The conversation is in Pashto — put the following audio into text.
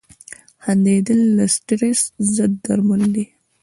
• خندېدل د سټرېس ضد درمل دي.